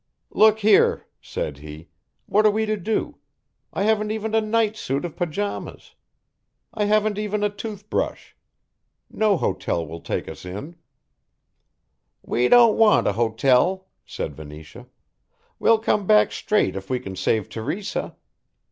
"Look here," said he, "what are we to do I haven't even a night suit of pyjamas. I haven't even a toothbrush. No hotel will take us in." "We don't want an hotel," said Venetia, "we'll come back straight if we can save Teresa.